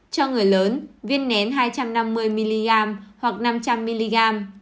cho người lớn viên nén hai trăm năm mươi mg hoặc năm trăm linh mg